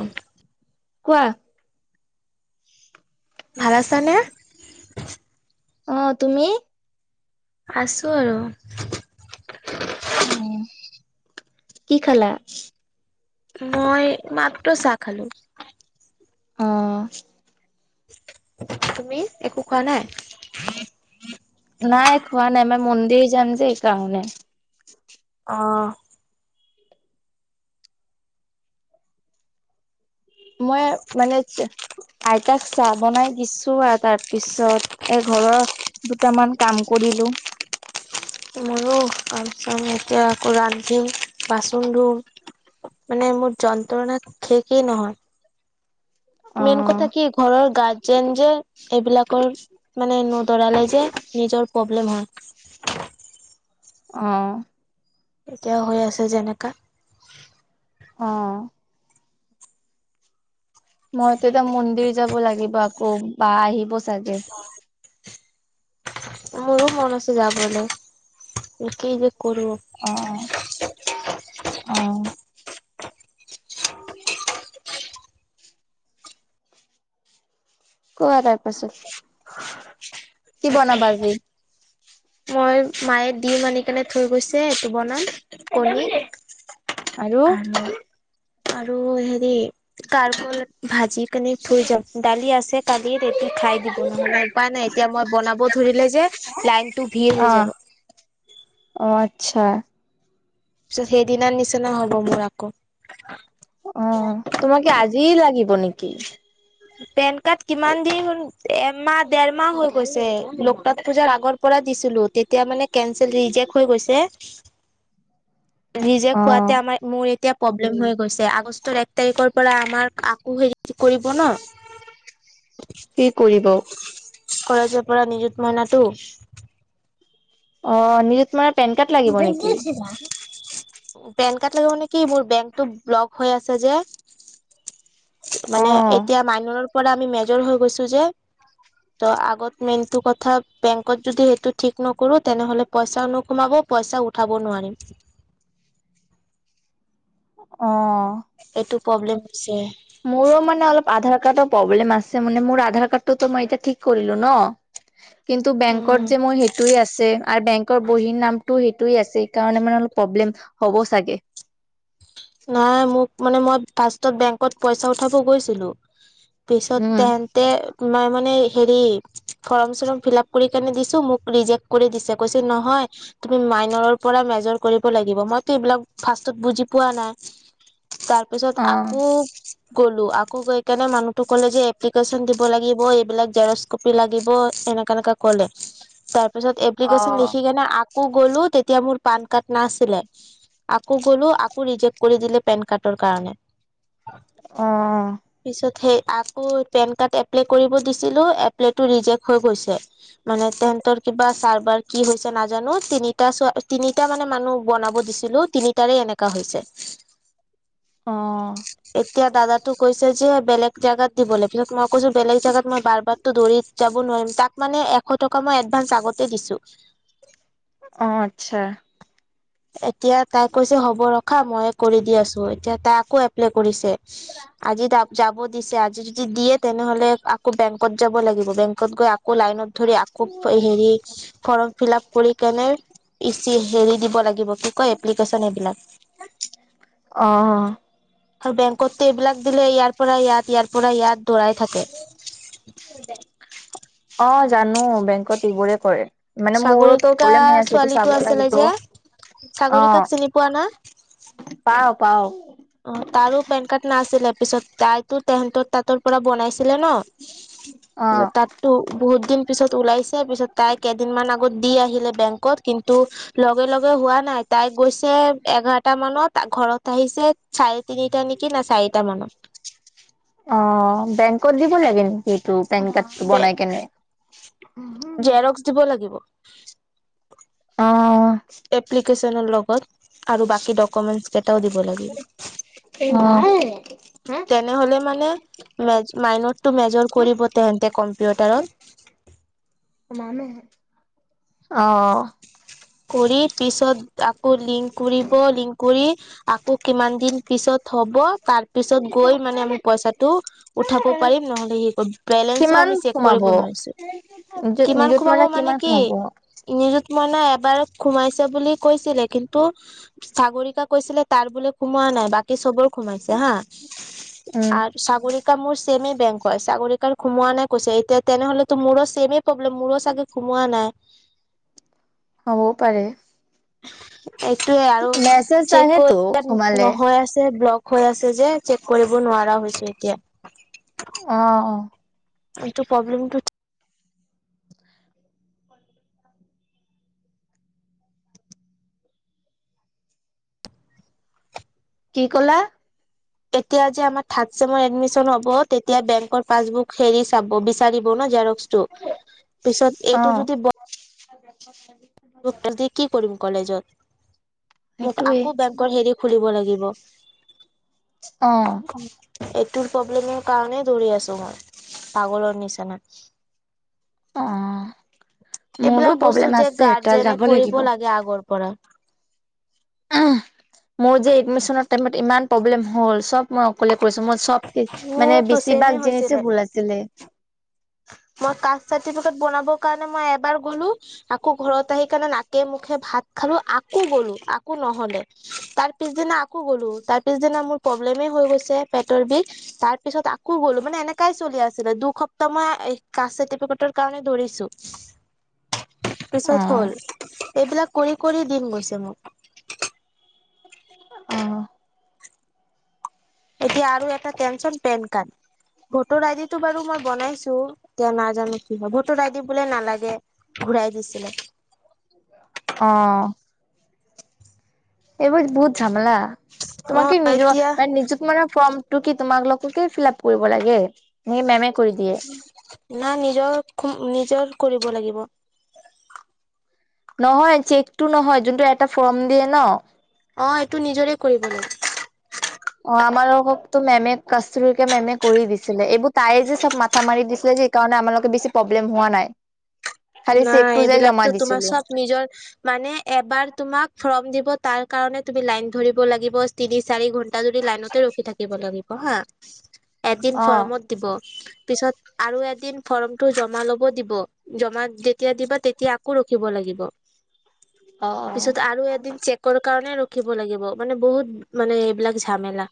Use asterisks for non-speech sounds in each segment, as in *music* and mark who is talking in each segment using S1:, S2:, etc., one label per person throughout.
S1: অ'।
S2: কোৱা?
S1: ভাল আছ নে?
S2: অ, তুমি?
S1: আছোঁ আৰু।
S2: অ, কি খালা?
S1: মই মাত্ৰ চাহ খালো।
S2: অ'।
S1: তুমি একো খোৱা নাই?
S2: নাই খোৱা নাই আমে মন্দিৰ যাম যে হে কৰণে।
S1: অ'।
S2: মই মানে আইতাক চাহ বনাই দিছো আৰু তাৰ পিছত এ, ঘৰৰ দুটামান কাম কৰিলো।
S1: মোৰো কাম, চাম এতিয়া আকৌ ৰান্ধি বাচন ধোওঁ। মানে মোৰ যন্ত্ৰণা শেসেই নহয়।
S2: অ
S1: মেইন কথা কি ঘৰৰ গাৰ্জেন যে এইবিলাকৰ মানে নদৰালে যে নিজৰ প্ৰব্লেম হয়।
S2: অ'।
S1: এতিয়াও হৈ আছে যেনেকা।
S2: অ'। মইতো এতিয়া মন্দিৰ যাব লাগিব আকৌ বা আহিব চাগে।
S1: অ'। মোৰো মন আছে যাবলৈ কি যে কৰো।
S2: অ', অ'। কোৱা তাৰ পাছত কি বনাবা আজি?
S1: মই মায়ে দিম আনি কেনে থৈ গৈছে এইটো বনাম। কনী আৰু, আৰু হেৰি কাৰপল ভাজি কোনি থুৈ যাব দালি আছে কালি ৰেতি খাই দিব মানে নাই এতিয়া মই বনাব ধৰিলে যে লাইনটো ভিৰ হৈ যাব
S2: অ', অ', আচ্ছা।
S1: তাৰ পিছত সেইদিনাৰ নিচিনা হ'ব মোৰ আকৌ।
S2: অ, তোমাকে আজিয়ে লাগিব নেকি?
S1: পেন কাৰ্ড কিমান দিন? এমাহ দেৰমাহ হৈ গৈছে। লোকনাথ পূজাৰ আগৰ পৰা দিছিলো। তেতিয়া মানে কেনচেল ৰিজেক্ট হৈ গৈছে।
S2: অ
S1: ৰিজেক্ট হোৱাতে আমাৰ মোৰ এতিয়া প্ৰব্লেম হৈ গৈছে আগষ্টৰ এক তাৰিখৰ পৰা আমাৰ আকৌ হেৰি কৰিব
S2: কি কৰিব?
S1: কলেজৰ পৰা নিযুত মইনাটো
S2: অ, নিযুত মইনাত পেন কাৰ্ড লাগিব নেকি?
S1: পেন কাৰ্ড লাগিব নে কি মোৰ বেংকটো ব্লক হৈ আছে যে। মানে
S2: অ',
S1: এতিয়া মাইনৰৰ পৰা আমি মেজৰ হৈ গৈছো যে ত' আগত মেইনতটো কথা বেংকত যদি সেইটো ঠিক নকৰো তেনেহ'লে পইচাও নোসোমাব, পইচা উঠাবও নোৱাৰিম।
S2: অ'।
S1: এইটো প্ৰব্লেম হৈছে।
S2: মোৰো মানে অলপ আধাৰ কাৰ্ডৰ প্ৰব্লেম আছে মানে মোৰ আধাৰ কাৰ্ডটো টু মই এতিয়া ঠিক কৰিলো ন।
S1: *inaudible*
S2: কিন্তু বেংকত
S1: উম
S2: যে মোৰ সেইটোয়ে আছে আৰু বেং বহীৰ নামটো সেইটোয়ে আছে সেই কাৰণে মানে অলপ প্ৰব্লেম হ'ব চাগে।
S1: নাই মোক মানে মই ফাষ্টত বেংকত পইচা উঠাব গৈছিলো। পিছত
S2: উম,
S1: তেন্তে মই মানে হেৰি ফৰম-চৰম ফিলাপ কৰি কিনে দিছো মোক ৰিজেক্ট কৰি দিছে কৈছে নহয়। তুমি মাইনৰৰ পৰা মেজৰ কৰিব লাগিব। মইতো এইবিলাক ফাষ্টত বুজি পোৱা নাই। তাৰপিছত
S2: অ'।
S1: আকৌ গ'লো আকৌ গৈ কেনে মানুহটো কলে যে এপ্লিকেচন দিব লাগিব এইবিলাক জেৰক্স কপি লাগিব এনেকা, এনেকা কলে তাৰপিছত এপ্লিকেচন
S2: অ'।
S1: লিখি কেনে আক কৌ গলো তেতিয়া মোৰ পানকাৰ্ড নাছিলে আকৌ গলো আকৌ ৰিজেক্ট কৰি দিলে পেনকাৰ্ডৰ কাৰণে
S2: অ'।
S1: পিছত সেই আকৌ পেনকাৰ্ড এপ্লে কৰিব দিছিলো এপ্লেটো ৰিজেক্ হৈ গৈছে। মানে তেহেতৰ কিবা চাৰ্ভাৰ কি হৈছে নাজানো তিনিটা চোৱা তিনিটা মানে মানুহ বনাব দিছিলো। তিনিটাৰে এনেকুৱা হৈছে।
S2: অ'।
S1: এতিয়া দাদাটো কৈছে যে বেলেগ জাগাত দিবলৈ পিছত মই কৈছো বেলেগ জাগাত মই বাৰ বাৰতো দৌৰি যাব নোৱাৰিম তাক মানে এক এশ টকা মই এডভা্ঞ্চ আগতে দিছোঁ।
S2: অ, আচ্ছা।
S1: এতিয়া তাই কৈছে হ'ব ৰখা মইয়ে কৰি দি আছো এতিয়া তাই আকৌ এপ্লাই কৰিছে। আজি তা যাব দিছে আজি যদি দিয়ে তেনেহ'লে আকৌ বেংকত যাব লাগিব বেংকত গৈ আ আকৌ লাইনত ধৰি আকৌ হেৰি ফৰ্ম ফিল আপ কৰি কেনে ইচি হেৰি দিব লাগিব কি আকৌ এপ্লিকেচন এইবিলাক
S2: অ'।
S1: আৰু বেংকতটো এইবিলাক দিলে ইয়াৰ পৰা ইয়াত, ইয়াৰ পৰা ইয়াত দৌৰাই থাকে
S2: অ, জানো বেংকত এইবোৰে কৰে। মানে মোৰোতো
S1: সাগৰিকা
S2: প্ৰব্লেম হৈ আছে। এইটো
S1: ছোৱালীটো
S2: চাব
S1: আছিলে
S2: লাগিব,
S1: যে চাগৰি
S2: অ'।
S1: কাক চিনি পোৱা না?
S2: পাওঁ পাওঁ।
S1: অ তাৰো পেন কাৰ্ড নাছিলে পিছত তাইতো তেহেতৰ তাঁতৰ পৰা বনাইছিলে ন।
S2: অ'।
S1: তাত ত বহুত দিন পিছত ওলাইছে পিছত তাই কেইদিনমান আগত দি আহিলে বেংকত কিন্তু লগে লগে হোৱা নাই তাই গৈ এ-এঘাৰটা মানত ঘৰত আহিছে চাৰে তিনিটা নেকি না চাৰিটা মানত।
S2: অ' বেংকত দিব লাগে নেকি এইটোক। পেনকাট
S1: দে
S2: বনাই কেনে।
S1: জেৰক্স দিব লাগিব।
S2: অ'।
S1: এপ্লিকেশ্বনৰ লগত আৰু বাকী ডকুমেন্টছ কেইটাও দিব লাগিব।
S2: অ'। *unintelligible*
S1: মে -মাইনৰটো মেজৰ কৰিব তেহনতে কম্পিউটাৰত।
S2: *unintelligible* অ'।
S1: কৰি পিছত আকৌ লিংক কৰিব লিংক কৰি আকৌ কিমান দিন পিছত হ'ব তাৰ পিছত গৈ মানে আমি পইচাটো উঠাব পাৰিম নহলে হে কৰিম বেলেঞ্চো
S2: কিমান
S1: আমি চেক
S2: সোমাব
S1: কৰিব নোৱাৰিছো।
S2: নিযুত
S1: কিমান
S2: নিযুত
S1: কমাব মানে
S2: কিমান
S1: কি?
S2: সোমাব
S1: নিজুত মনা এবাৰ সোমাইছে বুলি কৈছিলে কিন্তু চাগৰিকা কৈছিলে তাৰ বোলে সোমোৱা নাই বাকী চবৰ সোমাইছে হা
S2: উম
S1: আ চাগৰিকা মোৰ চেমে বেংক হয় চাগৰি কাৰ সোমোৱা নাই কৈছে এতিয়া তেনেহলে তো মোৰো চেম প্ৰব্লেম মোৰ চাগে খুমোৱা নাই।
S2: হ'বও পাৰে।
S1: এইটোয়ে আৰু
S2: মেছেজ
S1: চেক
S2: আহেতো
S1: কৰিতে
S2: সোমালে
S1: নহয় আছে ব্লক হৈ আছে যে চেক কৰিব নোৱাৰা হৈ হৈছে এতিয়া।
S2: অ'।
S1: টো প্ৰব্লেমটো
S2: কি ক'লা।
S1: এতিয়া যে আমাৰ থাড চেমৰ এডমিচন হ'ব তেতিয়া বেংকৰ পাছবুক হেৰি চাব বিচাৰিব ন জেৰক্স টো। পিছত
S2: অ
S1: এইটো যদি ব
S2: *unintelligible*
S1: কি কৰিম কলেজত মোক
S2: সেইটোৱে
S1: আকৌ বেংকৰ হেৰি খুলিব লাগিব।
S2: অ
S1: এইটোৰ প্ৰব্লেমৰ কাৰণেই দৰি আছো মই পাগলৰ নিচিনা।
S2: অ'। মোৰো
S1: এইবিলাক বস্তু
S2: প্ৰব্লেম
S1: যে
S2: আছে এটা
S1: গাৰ্জেনে
S2: যাব লাগিব
S1: কৰিব লাগে আগৰ পৰা।
S2: উম মোৰ যে এডমিচনৰ টাইমত ইমান প্ৰব্লেম হ'ল চব মই অকলে কৰিছো মই চব মানে
S1: মোৰতো ছেমে
S2: বেছিভাগ
S1: হৈছিলে
S2: জিনিছে ভুল আছিলে।
S1: মই কাচ চাৰ্টফিকেট বনাব কাৰণ মই এবাৰ গলো। আকৌ ঘৰত আহি কাৰনে নাকে মুখে ভাত খালো আকৌ গলো আকৌ নহ'লে। তাৰ পিছদিনা আকৌ গ'লো তাৰ পিছদিনা মোৰ প্ৰব্লেমে হৈ গৈছে পেটৰ বিষ। তাৰ পিছত আকৌ গ'লো মানে এনেকাই চলি আছিলে দুসপ্তাহ মা এই কাচ চাৰ্টিফিকেটৰ কাৰণে দৌৰিছো তাৰ পিছত
S2: অ',
S1: হ'ল। এইবিলাক কৰি কৰি দিন গৈছে মোক।
S2: অ'।
S1: এতিয়া আৰু এটা টেনশ্যন পেন কাৰ্ড। ভোটৰ আইদিটো বাৰু মই বনাইছো এতিয়া নাজানো কি ভোটৰ আইদি বলে নালাগে ঘূৰাই দিছিলে।
S2: অ'। এইবোৰ বহুত ঝামেলা
S1: অ
S2: তোমাক কি নিজৰ
S1: এতিয়া
S2: *unintelligible* নিজ *unintelligible* ফৰ্মটো কি তোমালোকে ফিল আপ কৰিব লাগে নে মেমে কৰি দিয়ে?
S1: না নিজৰ নিজৰ কৰিব লাগিব।
S2: নহয় চেকটো নহয় যোনটো এটা ফৰ্ম দিয়ে ন।
S1: অ এইটো নিজৰে কৰিব লাগে।
S2: অ আমালোককতো মেমে কাচৰিকা মেমে কৰি দিছিলে এইবোৰ তাইে যে চব মাথা মাৰি দিছিলে যে। কাৰণে আমালোকে বেছি প্ৰব্লেম হোৱা নাই। খালি
S1: নাই
S2: চেকটো যাই জমা
S1: এইবিলাকতো তোমাৰ
S2: দিছিলো
S1: চব নিজৰ মানে এবাৰ তোমাক ফৰ্ম দিব তাৰ কাৰণে তুমি লাইন ধৰিব লাগিব। তিনি চাৰি ঘন্টা যদি লাইনতে ৰখি থাকিব লাগিব হা এদিন
S2: অ'।
S1: ফৰ্মত দিব পিছত আৰু এদিন ফৰ্মটো জমা লব দিব জমা তেতিয়া দিবা তেতিয়া আকৌ ৰখিব লাগি
S2: অ', অ',
S1: পিছত আৰু এদিন চেক কাৰণে ৰখিব লাগিব মানে বহুত মানে এইবিলাক ঝামেলা।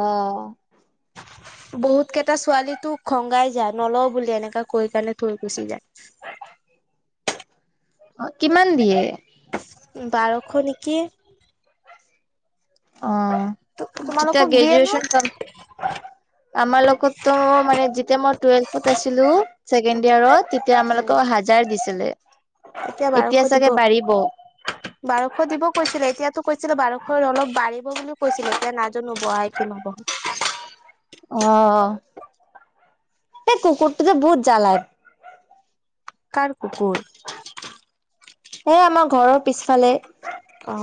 S2: অ'।
S1: বহুত কেইটা ছোৱালী তো খঙাই যায়। নলও বুলি এনেকা কৈ কাৰণে থৈ গুচি যায়।
S2: অ' কিমান দিয়ে?
S1: বাৰশ নেকি?
S2: অ যেতিয়া
S1: তোমালোকক দিয়ে ন
S2: গ্ৰেজুয়েচন কমপ্লিট আমাৰ লগতো মানে যেতিয়া মই টুৱেলভত আছিলো ছেকেড ইয়াৰত। এতিয়া
S1: উ
S2: আমালোকক হাজাৰ দিছিলে
S1: বাৰশ
S2: এতিয়া
S1: দিব
S2: চাগে বাঢ়িব।
S1: বাৰশ দিব কৈছিলে এতিয়াতো কৈছিলে বাৰশ অলপ বাঢ়িব বুলিও কৈছিলে এতিয়া নাজোনো। আহ এইটো নহব।
S2: অ'। এই কুকুৰটো যে বহুত জ্বালায়।
S1: কাৰ কুকুৰ?
S2: এ আমাৰ ঘৰৰ পিছফালে।
S1: অ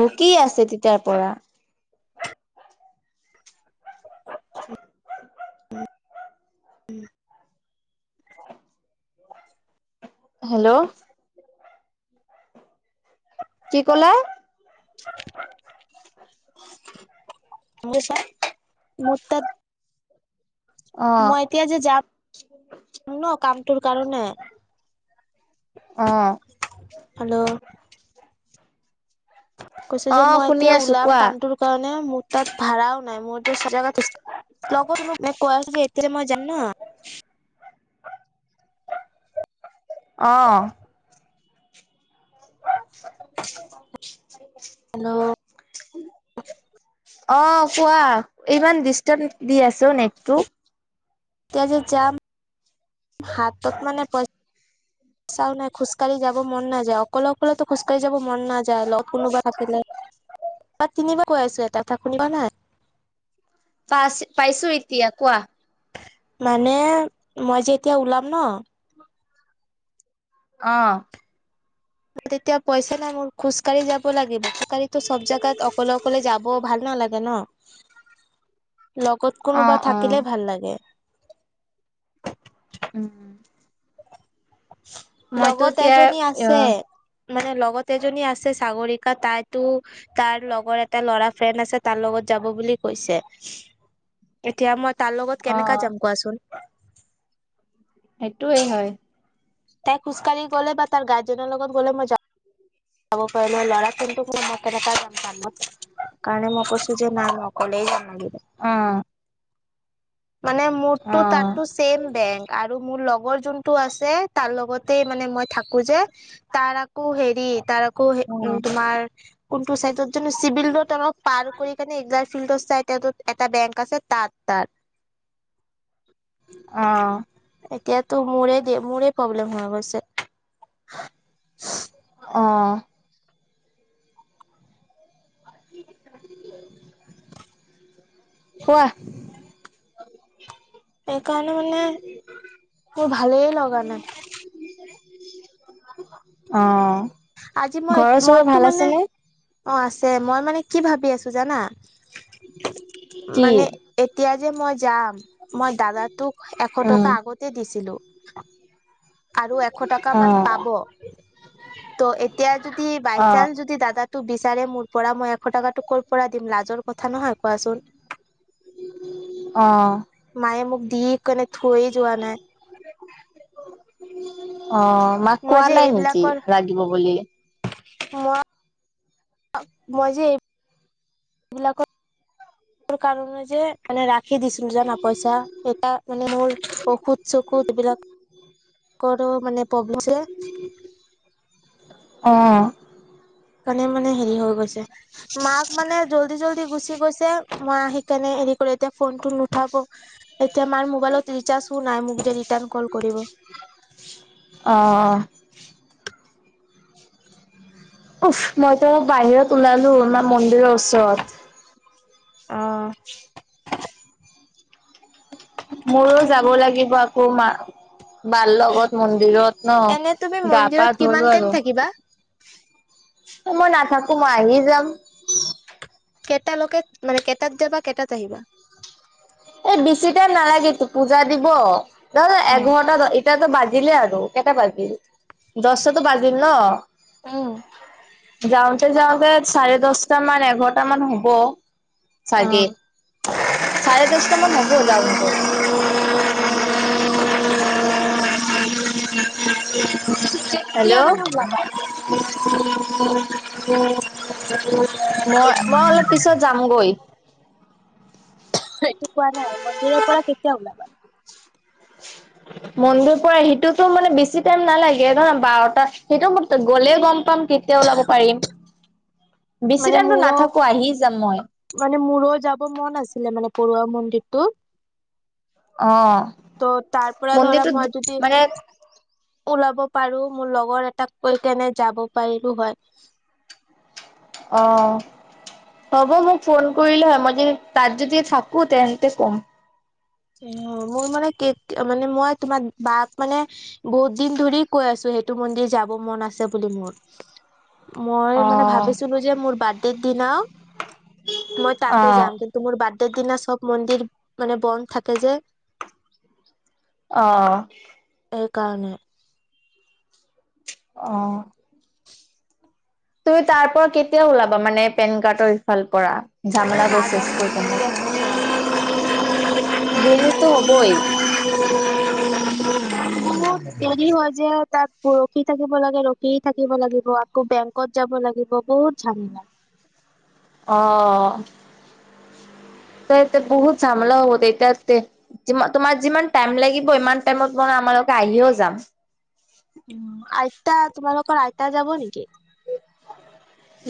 S2: ভুকি আছে তেতিয়াৰ পৰা। *unintelligible* হেল্ল' কি ক'লা?
S1: কি কৈছা মোৰ তাত।
S2: অ
S1: মই এতিয়া যে যাম ন কামটোৰ কাৰণে।
S2: অঁ'।
S1: হেল্ল' কৈছো যে
S2: অ
S1: মই
S2: শুনি
S1: এতিয়া
S2: আছো
S1: ওলাম
S2: কোৱা
S1: কামটোৰ কাৰণে মোৰ তাত ভাড়াও নাই মোৰ জাত লগত মই মানে কৈছল যে এতিয়াই মই জানা
S2: অঁ। *unintelligible*
S1: হেল্ল'
S2: অ' কোৱা ইমান ডিস্টার্ব দি আছো নেটটো।
S1: এতিয়া যে যাম হাতত মানে পইছা চাও নাই খোজকাঢ়ি যাব মন নাযায় অকলে অকলেতো খোজকাঢ়ি যাব মন নাযায় লগ কোনোবা থাকিলে। বাই তিনিবাৰকে কৈ আছো এটা কথা শুনিবা নাই।
S2: পাইছ পাইছো এতিয়া কোৱা।
S1: মানে মই যে এতিয়া ওলাম ন
S2: অ'।
S1: তেতিয়া পইচা নাই মোৰ খোজকাঢ়ি যাব লাগে খোজ ককাঢ়িতো চব জাগাত অকলে অকলে যাব ভাল নালাগে। ন লগত
S2: অ
S1: কোনোবা
S2: অ
S1: থাকিলে ভাল লাগে।
S2: উম। মইতো
S1: লগত
S2: এতিয়া
S1: এজনী আছে।
S2: অ'
S1: মানে লগত এজনী আছে সাগৰিকা তাইতো তাৰ লগৰ এটা ল'ৰা ফ্ৰেণ্ড আছে তাৰ লগত যাব বুলি কৈছে। এতিয়া মই তাৰ লগত
S2: অ
S1: কেনেকা যাম কোৱাচোন।
S2: সেইটোৱে হয়।
S1: তাই খোজকাঢ়ি গলে বা তাৰ গাৰ্জেনৰ লগত গ'লে মই যাম। যাব পাৰিলো ল'ৰা কোনতো কোনো মতেৰেটা *unintelligible* কাৰণে মই কৈছো যে নাই ম অকলেই যাম লাগি
S2: অ'।
S1: মানে
S2: অ
S1: মূৰটো তাতো বেং আৰু মোৰ লগৰ যোনটো আছে তাৰ লগতে মানে মই থাকো যে তাৰ আকৌ হেৰি তাৰ আকৌ
S2: অ
S1: উ তোমাৰ কোনটো চাই ত চিভিল ৰোড অলপ পাৰ কৰি ফিল্ড চাই এটা বেংক আছে তাত তাৰ।
S2: অ'।
S1: এতিয়াতো মোৰে মোৰে প্ৰব্লেম হৈ গৈছে।
S2: অ'। কোৱা।
S1: সেইকাৰণে মানে মোৰ ভালেই লগা নাই।
S2: অ'।
S1: আজি মই
S2: ঘৰৰ চবৰে
S1: মইতো
S2: ভাল
S1: মানে।
S2: আছেনে
S1: অ' আছে মই মানে কি ভাবি আছো জানা
S2: কি
S1: মানে এতিয়া যে মই যাম মই দাদাটোক এশ
S2: উম
S1: টকা আগতে দিছিলো। আৰু এশ টকা
S2: অ
S1: মান পাব ত' এতিয়া যদি বাই
S2: অ
S1: চান্স যদি দাদা ত বিচাৰে মোৰ পৰা মই এশ টকাটো ক'ৰ পৰা দিম লাজৰ কথা নহয় কোৱাচোন।
S2: অ'।
S1: মায়ে মোক দি কিনে থৈ যোৱা নাই।
S2: অ' মাক
S1: মই
S2: কোৱা
S1: যে
S2: নাই নেকি
S1: এইবিলাকৰ
S2: লাগিব বুলি।
S1: মই মই যে এই এইবিলাকৰ কাৰণে যে মানে ৰাখি দিছোজনাপইচা এটা মানে মোৰ ঔষুধ চকুত এইবিলাক ক মানে প্ৰব্লেম।
S2: অ'।
S1: কাৰণে মানে হেৰি হৈ গৈছে মাক মানে জল্দি জলদি গুচি গৈছে। মই আহি কেনে হেৰি কৰি এতিয়া ফোনটো নুঠাব। এতিয়া মাৰ মোবাইলত ৰিচাৰ্জও নাই মোক যে ৰিতান কল কৰিব।
S2: অ'। উফ মইতো বাহিৰত ওলালো মাৰ মন্দিৰৰ ওচৰত।
S1: অ'।
S2: মোৰো যাব লাগিব আকৌ মা বাৰ লগত মন্দিৰত ন
S1: এনে তুমি
S2: গা
S1: মন্দিৰত
S2: পা
S1: কিমান
S2: ধলো
S1: টাইম
S2: আৰু।
S1: থাকিবা
S2: মই নাথাকো মই আহি যাম।
S1: কেইটা লৈকে মানে কেটাত যাবা কেইটাত আহিবা?
S2: এই বেছি টাইম নালাগে পূজা দিব দহ
S1: অ',
S2: এঘন্টা। কটাতো বাজিলে আৰু কেইটা বাজিল দহটাতো বাজিল ন
S1: উম।
S2: যাওঁতে যাওঁতে চাৰে দহটা মান এঘাৰটা মান হ'ব। চাগে
S1: অ',
S2: চাৰে দশটামান হ'ব যাওঁতে। হেল্ল'
S1: তেতিয়া মানে যাবাই। *unintelligible*
S2: মই মই অলপ পিছত যামগৈ।
S1: সেইটো কোৱা নাই মন্দিৰৰ পৰা কেতিয়া ওলাবা?
S2: মন্দিৰ পৰা সেইটোতো মানে বেছি টাইম নালাগে নয় বাৰটাাত সেইটো গ'লে গম পাম কেতিয়া ওলাব পাৰিম
S1: *inaudible*
S2: বেছি দানো
S1: মোৰো
S2: নাথাকো আহি যাম মই
S1: মানে মোৰো যাব মন আছিলে মানে পৰুৱা মন্দিৰটো
S2: অ
S1: ত' তাৰ পৰা ধৰা
S2: মন্দিৰটোত
S1: মই যদি
S2: মানে
S1: ওলাব পাৰো মোৰ লগৰ এটাক কৈ কেনে যাব পাৰিলো হয়
S2: অ হ'ব মোক ফোন কৰিলে হয় মই য তাত যদি থাকো তেন্তে ক'ম
S1: উ মোৰ মানে মানে মই তোমাৰ বাক মানে বহুত দিন ধৰি কৈ আছো সেইটো মন্দিৰ যাব মন আছে বুলি মোৰ মই মানে
S2: অ',
S1: ভাবিছিলো যে মোৰ বাৰ্থডেৰ দিনাও মই তাতে
S2: অ',
S1: যাম কিন্তু মোৰ বাৰ্থডেৰ দিনা সব মন্দিৰ মানে বন্ধ থাকে যে
S2: অ
S1: এই কাৰণে
S2: অ তুমি তাৰ পৰা কেতিয়া ওলাবা মানে পেন কাৰ্ডৰ ইফাল পৰা ঝামেলা ব শেষ কৈ কোনাই বিহতো হ'বই
S1: *unintelligible* বহুত দেৰি হয় যে তাত ৰখি থাকিব লাগে ৰখি থাকিব লাগিব আকৌ বেংক ত যাব লাগিব বহুত ঝাল লাগ
S2: অ তো এতিয়া বহুত ঝামেলা হ'ব তেতিয়া তে তোমাৰ যিমান টাইম লাগিব ইমান টাইমত মই আমালোকে আহিও যাম
S1: উ আইতা তোমালোকৰ আইতা যাব নেকি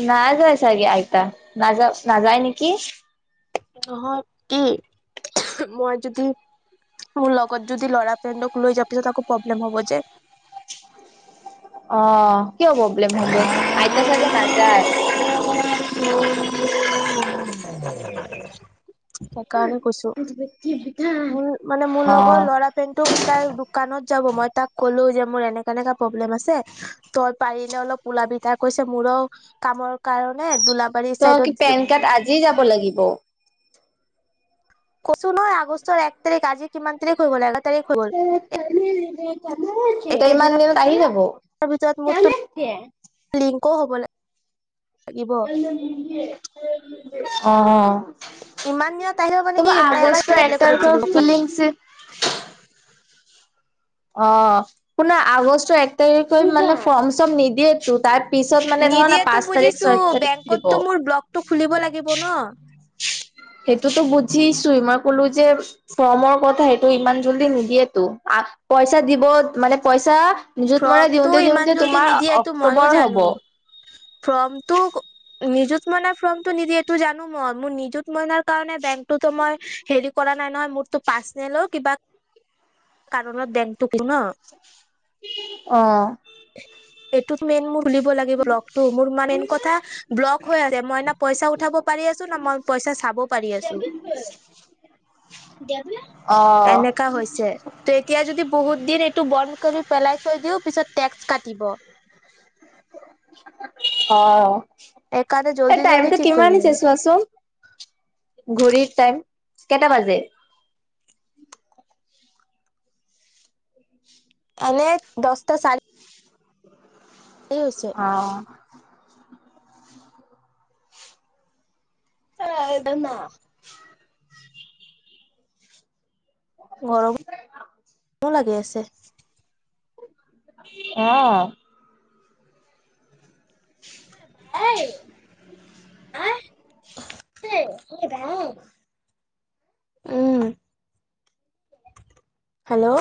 S2: নাযায় চাগে আইতা নাযা নাযায় নেকি
S1: নহয় কি মই যদি মোৰ লগত যদি ল'ৰা ফ্ৰেণ্ডক লৈ যাব পিছত তো প্ৰব্লেম হব যে
S2: অ কিয় প্ৰব্লেম হব আইতা চাগে নাযায়
S1: *unintelligible* সেইকাৰণে কৈছো মোৰ মানে মোৰ লগৰ
S2: অ'।
S1: লৰা নোক তাই দোকানত যাব মই তাক ক'লো যে মোৰ এনেকা এনেকা প্ৰব্লেম আছে তই পাৰিলে অলপ ওলাবি তাৰ কৈছে মোৰো কামৰ কাৰণে দলাব
S2: তোমাৰ কি পেন কাৰ্ড আজি যাব লাগিব
S1: কৈছু নহয় আগষ্টৰ এক তাৰিখ আজি কিমান তাৰিখ হৈ গল এঘাৰ তাৰিখ হৈ গল
S2: ইমান
S1: একেদিনৰ
S2: দিনত আহি যাব
S1: লিংক হ'ব লাগ লাগিব
S2: অ অ
S1: ইমান দিনত আহিলেও মানে
S2: টো
S1: কি মই
S2: আগষ্ট এক তাৰিখ
S1: এবাৰ
S2: ফিলিংছে অ কোনো আগষ্টৰ এক তাৰিখে মানে ফৰ্ম চৰ্ম নিদিয়েতো তাত পিছত মানে ধৰা ন
S1: নিদিয়েতো
S2: পাঁচ তাৰিখ ছয় তাৰিখ দিব
S1: তটো খুলিব লাগিব ন
S2: সেইটোতো বুজিছোৱেই মই কলো যে ফৰ্মৰ কথা সেইটো ইমান জল্দি নিদিয়েতো পইচা দিব মানে পইচা নিজুত মইনা
S1: ফৰ্মটো
S2: দিওঁতে
S1: ইমান
S2: দিওঁতে
S1: জল্দি
S2: তোমাৰ
S1: নিদিয়ে এইটো মইও
S2: অক্টোবৰ হ'ব
S1: জানো ফৰ্মটো নিযুত মনাই ফৰ্মটো নিদিয়ে এইটো জানো মই মোৰ নিজুত মইনাৰ বেংক টো মই হেৰি কৰা নাই নহয় মোৰতো পাৰ্চনেলো কিবা কাৰণত বেংকটো ন
S2: অ
S1: এইটোত মেইন মোৰ বুলিব লাগিব লগতটো মোৰ মেইন কথা ব্লক হৈ আছে মই ন পইচা উঠাব পাৰি আছো ন মই পইচা চাব পাৰি আছো এনেকা হৈছে ত এতিয়া যদি বহুত দিন এইটো বন্ধ কৰি পেলাই থৈ দি পিছতটেক্স কাটিব
S2: অ
S1: সেইকাৰণে
S2: এ
S1: জল্দি জল্দি
S2: টাইমতটো
S1: ঠিক
S2: কিমান
S1: কৰিব লাগে
S2: হৈছে চোৱাচোন ঘুৰিৰ টাইম কেইটা বাজে
S1: এনে দহটা চাৰি এই হৈছে
S2: অ
S1: অ এদ না গৰমৰো লাগি আছে
S2: অ *unintelligible*
S1: ভাই আহ উম হেল্ল'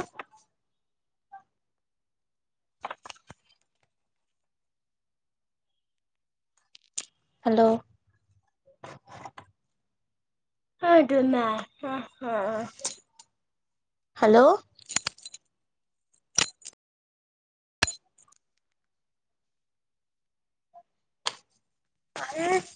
S1: হেল্ল' সটো নাই হেল্ল' আহ